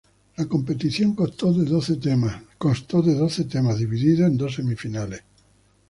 La competición constó de doce temas, divididos en dos semifinales.